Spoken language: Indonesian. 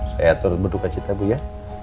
saya turun berduka cita bu ya